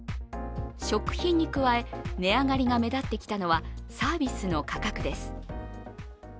食品に加え、値上がりが目立ってきたのはサービスの価格です。